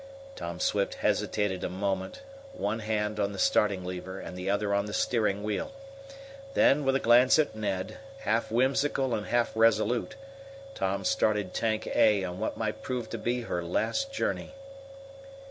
Tom Swift hesitated a moment, one hand on the starting lever and the other on the steering wheel. Then, with a glance at Ned, half whimsical and half resolute, Tom started Tank A on what might prove to be her last journey.